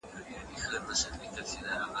د مقالي مسؤلیت پر چا دی؟